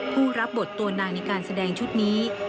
ผู้รับบทตัวนางในการแสดงชุดนี้